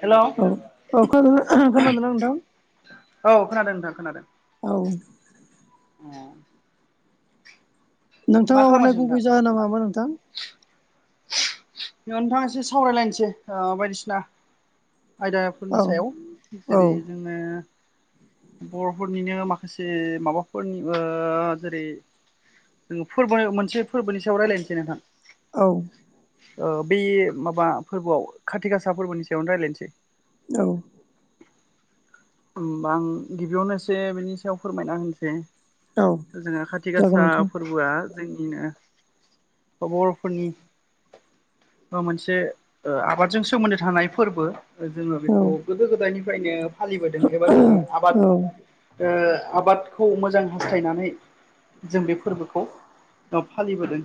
Hello औ औ खोन खोनादों ना नोंथां? औ खोनादों नोंथां खोनादों। औ। औ। मा नोंथाङा हरनाय खालामगासिनो नोंथां गुबै जाहोना मामोन नोंथां? बे नोंथांङा एसे सावरायलायनोसै ओ बायदिसिना। आयदाफोरनि औ सायाव औ जेरै जोङो बर'फोरनिनो माखासे माबाफोरनि जेरै जो फोरबो मोनसे फोरबोनि सायावा रायलायनोसै नोंथां। औ। ओ बे माबा फोरबोआव खाथिक गासा फोरबोनि सायावनो रायजलायनोसै। औ। होमबा आं गिबियावनोससे बिनि सायाव फोरमायना होनोसै। औ जोंहा खाथि जागोन गासा नोंथां फोरबोआ जोंनिनो बर'फोरनि मोनसे ओ आबादजों सोमोन्दो थानाय फोरबो जोङो औ बेखौ गोदो गोदायनिफ्रायनो फालिबोदों एबा औ जोङो आबाद औ ओ आबादखौ मोजां फोथायनानै जों बे फोरबोखौ फालिबोदों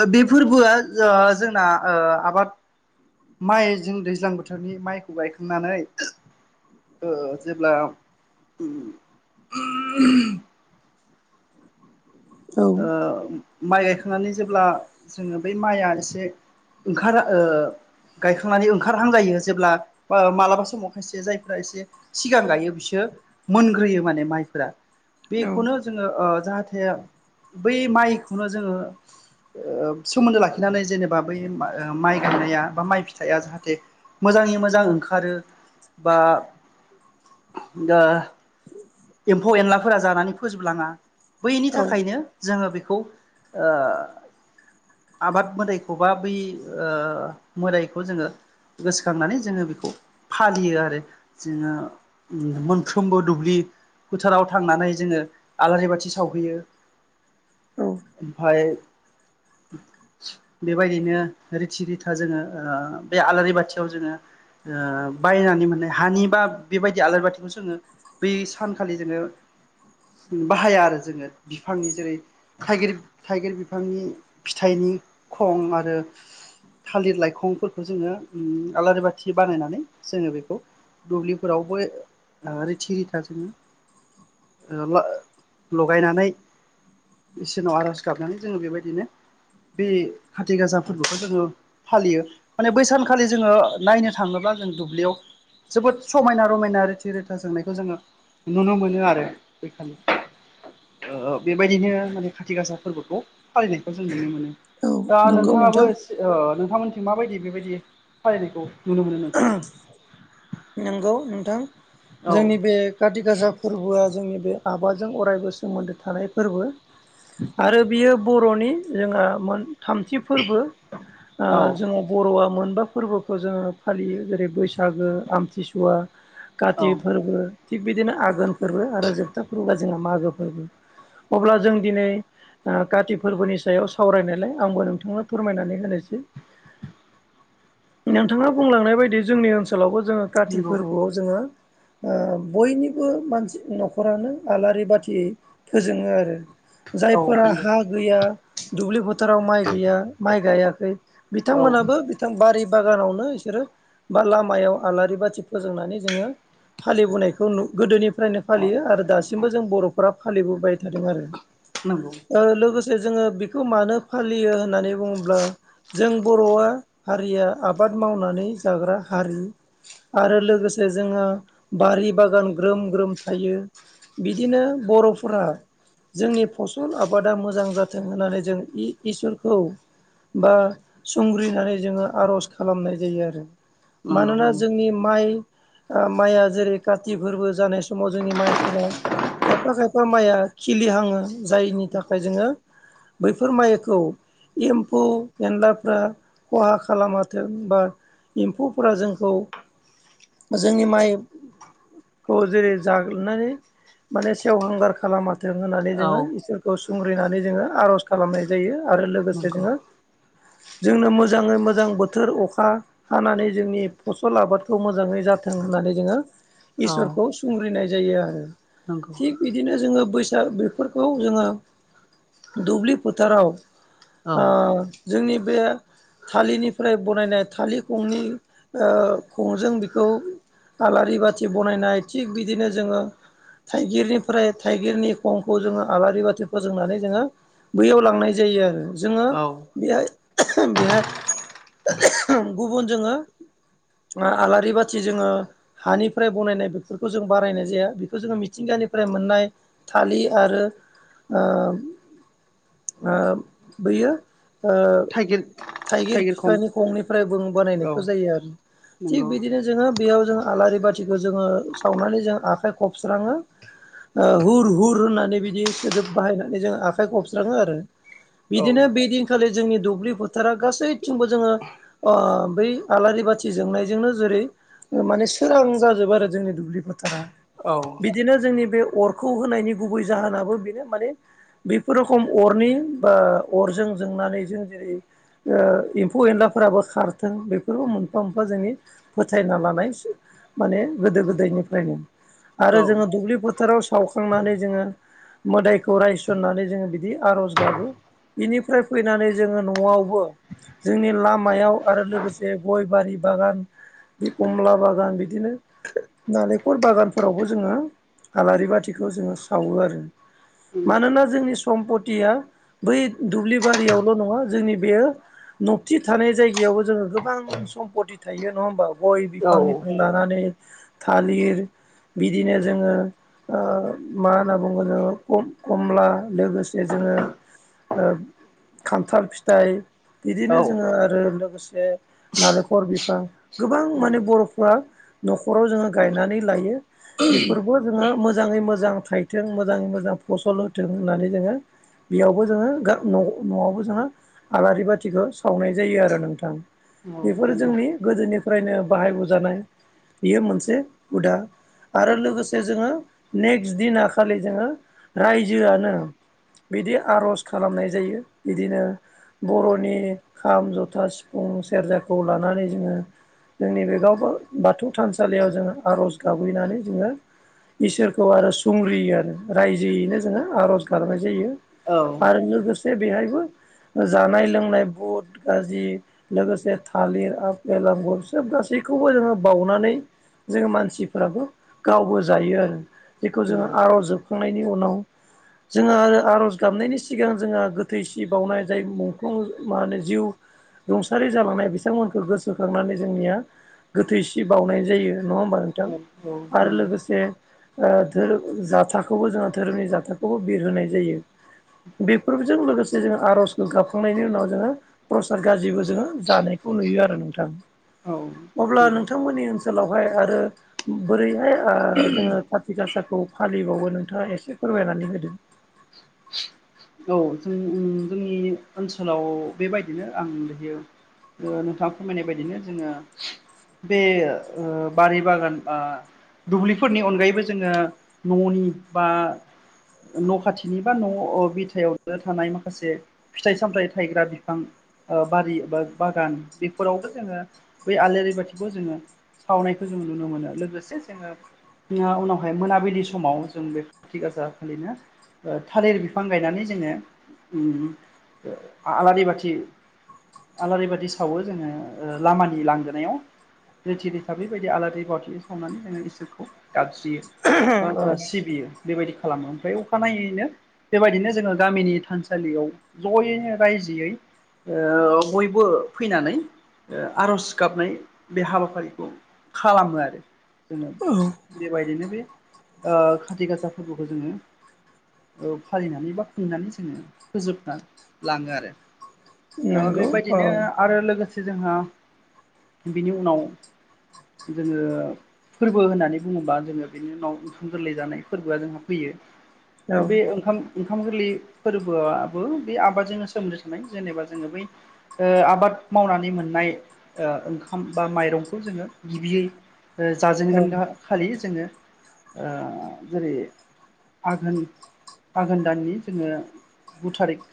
ओ बे फोरबोआ ओ जोंना ओ आबाद माइ जों दैज्लां बोथोरनि माइखौ गायखांनानै ओ जेब्ला उम उम औ माइ गायखांनानै जेब्ला जोङो बै माइआ एसे ओंखारा ओ गायखांनानै ओंखारहां जायो जेब्ला मालाबा समाव खायसे जायफ एसे सिगां गायो बिसोर मोनग्रोयो माने माइफोरा बेखौनो जोङो जाहाथे बै माइखौनो जोङो ओ सोमोन्दो लाखिनानै जेनेबा बै माइ गायनाया बा माइ फिथाइआ जाहाथे मोजांङै मोजां ओंखारो बा दा एम्फौ एनलाफोरा जानानै फोजोबलाङा बैनि औ थाखायनो जोङो बेखौ आबाद मोदायखौ बा बै ओ मोदायखौ जोङो। गोसोखांनानै जोङो बेखौ फालियो आरो। जोङो उम मोनफ्रोमबो दुब्लि फोथाराव थांनानै जोङो आलारि बाथि सावहैयो। औ ओमफाय बेबायदिनो रिथि रिथा जोङो बे आलारि बाथियाव जोङो बायनानै मोननाय हानि बा बेबायदि आलारि बाथिखौ जोङो बै सानखालि जोङो बाहाया आरो जोङो बिफांनि जेरै थाइगिर थाइगिर बिफांनि फिथाइनि खं आरो थालिर लाइखंफोरखौ जोङो आलारि बाथि बानायनानै जोङो बेखौ दुब्लिफोरावबो ओ रिथि रिथा जोङो ओ ल लगायनानै इसोरनाव आर'ज गाबनानै जोङो बेबायदिनो बे खाथि गासाा फोरबोखौ जोङो फालियो माने बैसानखालि जोङो नायनो थाङोब्ला जों दुब्लियाव जोबोद समायना रमायना रिथि रिथा जोंनायखौ जोङो नुनो मोनो आरो बेैखालि। ओ बेबायदिनो माने खाथि गासा फोरबोखौ फालिनायखौ जों नुनो मोनो। औ दा नंगौ नोंथां नोंथाङाबो सि ओ नोंथांमोनख माबायदि बेबायदि फालिनायखौ नुनो मोनो नोंसिनि नंगौ नोंथां औ जोंनि बे काथि गासा फोरबोआ जोंनि बे आबादजों अरायबो सोमोन्दो थानाय फोरबो। आरो बियो बर'नि जोंहा मोन थामथि फोरबो ओ औ जोङो बर'आ मोनबा फोरबोखौ जोङो फालियो जेरै बैसागो आमथिसुवा काति औ फोरबो थिग बिदिनो आघोन फोरबो आरो जोबथा फोरबोआ जोंहा मागो फोरबो। अब्ला जों दिनै ओ काति फोरबोनि सायाव सावरायनायलाय आंबो नोंथांनो फोरमायनानै होनोसै। नोंथाङा बुंलांनाय बायदि जोंनि ओनसोलावबो जोङो काति नंगौ फोरबोआव जोङो ओ बयनिबो मानसि न'खरानो आलारि बाथियै फोजोङो आरो। औ जायफोरा नंगौ हा गैया दुब्लि फोथोराव माइ गैया माइ गायाखै औ बिथांमोनाबो बिथां बारि बागानावनो बिसोर बा लामायाव आलारि बाथि फोजोंनानै जोङो फालिबोनायखौ गोदोनि फ्रायनो फालियो आरो दासिमबो जों बर'फोरा फालिबोबाय थादों आरो। नोंगौ। लोगोसे जोङो बेखौ मानो फालियो होननानै बुङोब्ला जों बर'आ हारिया आबाद मावनानै जाग्रा हारि आरो लोगोसे जोंहा बारि बागान ग्रोम ग्रोम थायो। बिदिनो बर'फोरा जोंनि फसल आबादा मोजां जाथों होननानै जों इ इसोरखौ बा संग्रिनानै जोङो आर'ज खालामनाय जायो आरो नंगौ मानोना नंगौ जोंनि माइ माइआ जेरै काति फोरबो जानाय समाव जोंनि माइफोरा खायफा खायफा माइआ खिलि हाङो जायनि थाखाय जोङो बैफोर माइखौ एम्फौ एनलाफ्रा खहा खालामाथों बा एम्फौफोरा जोंखौ जोंनि माइ खौ जेरै जाग्रोनानै माने सेवहांगार खालामा जों होननानै औ जोंङो इसोरखौ सुंग्रिनानै जोंङो आर'ज खालामनाय जायो आरो लोगोसे नंगौ जोंङो जोंनो मोजाङै मोजां बोथोर अखा हानानै जोंनि फसल आबादखौ मोजाङै जाथों होननानै जोङो औ इसोरखौ सुंग्रिनाय जायो आरो। नंगौ। थिग बिदिनो जोङो बैसाग बेफोरखौ जोङो दुब्लि फोथाराव औ ओ जोंनि बे थालिरनिफ्राय बनायनाय थालिर खंनि ओ खंजों बेखौ आलारि बाथि बनायनाय थिग बिदिनो जोङो थाइगिरनिफ्राय थाइगिरनि खंखौ जोङो आलारि बाथि फोजोंनानै जोङो बैयाव लांनाय जायो आरो। जोङो औ बेहाय बेहाय गुबुन जोङो आलारि बाथि जोङो हानिफ्राय बनायनाय बेफोरखौ जों बारायनाय जाया बेखौ जोङो मिथिंगानिफ्राय मोननाय थाललि आरो ओ ओ बैयो ओ थाइगिर थाइगिर थाइगिरखं बिफानि खंनिफ्रायबो औ बानायनायखौ जायो आरो। थिग बिदि नंगौ बिदिनो जोङो बेयाव जों आलारि बाथिखौ जोङो सावनानै जोंङो आखाइ खबस्राङो हुर हुर होननानै बिदि सोदोब बाहायनानै जों आखाइ खबस्राङो आरो औ बिदिनो बेदिनखालि जोंनि दुब्लि फोथारा गासैथिंबो जोङो ओ बै आलारि बाथि जोंनायजोंनो जेरै माने सोरां जाजोबो आरो जोंनि दुब्लि फोथारा औ बिदिनो जोंनि बे अरखौ होनायनि गुबै जाहोनाबो बेनो माने बेफोर रखम अरनि बा अरजों जोंनानै जों जेरै ओ एम्फौ एनलाफोराबो खार थों बेफोरखौ मोनफा मोनफा जोंनि फोथायना लानायसो माने गोदो गोदायनिफ्रायनो। औ आरो जोङो दुब्लि फोथाराव सावखांनानै जोङो मोदायखौ रायसननानै जोङो बिदि आरज गाबो बिनिफ्राय फैनानै जोङो न'वावबो जोंनि लामायाव आरो लोगोसे गय बारि बागान बे कमला बागान बिदिनो नालेंखर बागानफोरावबो जोङो आलारि बाथिखौ जोङो सावो आरो मानोना जोंनि सम्पतिया बै दुब्लि बारियावल' नङा जोंनि बेयो नबथि थानाय जायगायावबो जोङो गोबां सम्पति थायो नङा ओमबा गय औ बिफांनिफ्राय लानानै थालिर बिदिनो जोङो ओ मा होनना बुंगोन जोंङो खमला लोगोसे जोंङो ओ खान्थाल फिथाइ औ इदिनो जोंङो आरो लोगोसे नालेंखर बिफां गोबां माने बर'फोरा नखराव जोङो गायनानै लायो। बेफोरबो जोङो मोजाङै मोजां थाइथों मोजाङै मोजां फसल होथों होननानै जोङो बेयावबो जोङो गा न' न' नवावबो जोङो आलारि बाथिखौ सावनाय जायो आरो नों थां ओ बेफोरो नंगौ जोंनि गोदोनिफ्रायनो बाहाय बोजानाय बियो मोनसे हुदा आरो लोगोसे जोंङो नेक्स्ट दिना खालि जोंङो रायजोआनो बिदि आर'ज खालामनाय जायो बिदिनो बर'नि खाम, जथा सि फुं सेर्जाखौ लानानै जोङो जोंनि बे गाव बाथौ थानसालियाव जोङो आर'ज गाबैनानै जोङो इसोरखौ आरो सुंग्रियो आरो रायजोयैनो जोङो आर'ज गाबनाय जायो। औ आरो लोगोसे बेहायबो जानाय लोंनाय बुट गाजि लोगोसे थालिर आफेल आंगुर सोब गासैखौबो जोङो बाउनानै जोङो मानसिफ्राबो गावबो जायो आरो जेखौ जोङो नंगौ आर'ज जोबखांनायनि उनाव जोंङो आरो आर'ज गाबनायनि सिगां जोंङो गोथै सि बावनाय जाय मुंख्लं मा होनो जिउ रुंसारि जालांनाय बिथांमोनखौ गोसोखांनानै जोंनिया गोथैसि बावनाय जायो नङा ओमबा नों थां औ औ आरो नंगौ लोगोसे ओ धोरोम जाथाखौबो जोङो धोरोमनि जाथाखौबो बिरहोनाय जायो। बेफोरजों लोगोसे जोङो आर'जखौ गाबखांनायनि उनाव जोङो प्रसाद गाजिबो जोङो जानायखौ नुयो आरो नोंथां औ अब्ला नंगौ नोंथांमोननि ओन सोलावहाय आरो बोरैहाय ओ जोङो कारति गासाखौ फालिबावो नोंथाङा एसे फोरमायनानै होदों। औ जों जोंनि ओनसोलाव बेबायदिनो आं दायो नोंथाङा फोरमायनाय बायदिनो जोङो बे ओ बारि बागान ओ दुब्लिफोरनि अनगायैबो जोङो न'नि बा न' खाथिनि बा न' बि फिथाइयावनो थानाय माखासे फिथाइ सामथाइ थायग्रा बिफां ओ बारि बा बागान बेफोरावबो जोंङो बै आलारि बाथिखौ जोंङो सावनायखौ जों नुनो मोनो लोगोसे जोङो उनावहाय मोनाबिलि समाव जों बे खाथि गासा खालिनो ओ थालिर बिफां गायनानै जोङो ओम ओ आलारि बाथि आलारि बादि सावो जोङो ओ लामानि लांगोनायाव रिथि रिथा बेबादि बाथि सावनानैहाय जोङो इसोरखौ गाबज्रियो। बा सिबियो बेबायदि खालामो ओमफ्राय अखानायनायैनो बेबायदिनो जोङो गामिनि थानसालियाव ज'यैनो रायजोयै ओ बयबो फैनानै आर'ज गाबनाय बे हाबाफारिखौ खालामो आरो जोङो। [inaudible] बेबायदिनो बे ओ खाथि गासा फोरबोखौ जोङो ओ फालिनानै बा खुंनानै जोङो फोजोबना लाङो आरो। ओ नंगौ औ बेबायदिनो आरो लोगोसे जोंहा बिनि उनाव जोङो फोरबो होननानै बुङोबा जोङो बेनि उनाव ओंखाम गोरलै जानाय फोरबोआ जोंहा फैयो औ बे ओंखाम ओंखाम गोरलै फलि फोरबोआबो बे आबादजोंनो सोमोन्दो थानाय जेनेबा जोङो बै ओ आबाद मावनानै मोननाय ओ ओंखाम बा माइरंखौ जोङो गिबियै ओ औ जाजेनगोन खालि जोङो ओ जेरै आघोन आघोन दाननि जोङो गु थारिख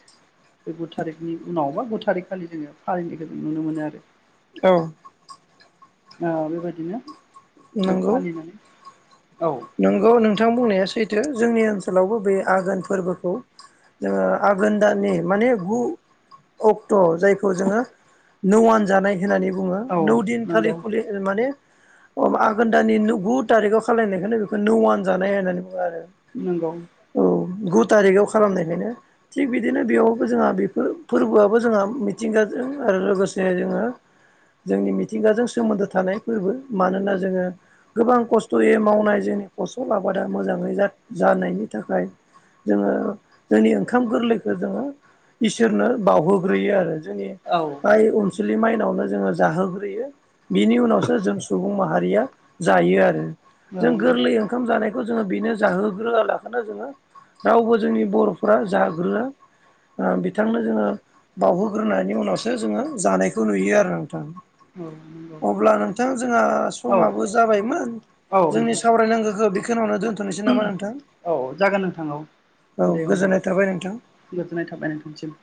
बे गु थारिखनि उनावबा गु थारिख खालि जोङो फालिनायखौ जों नुनो मोनो आरो। औ। ओ बेबायदिनो जों नंगौ फालिनानै नंगौ नोंथां बुंनाया सैथो जोंनि ओनसोलावबो बे आघोन फोरबोखौ ओ जोङो आघोन दाननि माने गु अक्ट' जायखौ जोङो नौआन जानाय होननानै बुङो औ नौ दिनखालि नंगौ खलि माने आघोन दानि गु थारिखाव खालायनायखौनो नौआन जानाय होननानै बुङो आरो। नंगौ। औ गु थारिखाव खालामनायखायनो थिग बिदिनो बेयावबो जोंहा बेफोर फोरबोआबो जोंहा मिथिंगाजों आरो लोगोसे जोङो जोंनि मिथिंगाजों सोमोन्दो थानाय फोरबो मानोना जोङो गोबां खस्थ'यै मावनाय जोंनि फसल आबादा मोजाङै जा-जानायनि थाखाय जोङो जोंनि ओंखाम गोरलैखौ जोङो इसोरनो बाउहोग्रोयो आरो। जोंनि औ बाय अनसुलि माइनावनो जोङो जाहोग्रोयो बिनि उनावसो जों सुबुं माहारिया जायो आरो औ जों गोरलै ओंखाम जानायखौ जोङो बेनो जाहोग्रोआलाखनो जोङो रावबो जोंनि बर'फोरा जाग्रोआ बिथांनो जोङो बाउहोग्रोनायनि उनावसो जोङो जानायखौ नुयो आरो नोंथां। औ नंगौ। अब्ला नोंथां जोंहा औ समाबो जाबायमोन औ जोंनि नोंथां सावरायनांगौखो बेखेनावनो दोनथ' नोसै नामा नोंथां औ जागोन नोंथां औ औ दे होमबा गोजोननाय थाबाय नोंथां। गोजोननाय थाबाय नोंथांसिम।